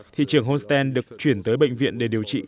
thị trưởng holstein được chuyển tới bệnh viện để điều trị